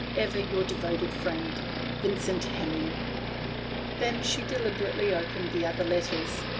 " Ever your devoted friend, " Vincent Hemming." Then she deliberately opened the other letters.